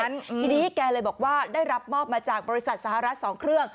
ทีนี้แกเลยบอกว่าได้รับมอบมาจากบริษัทสหรัฐ๒เครื่อง